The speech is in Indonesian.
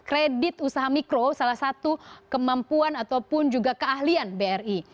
kredit usaha mikro salah satu kemampuan ataupun juga keahlian bri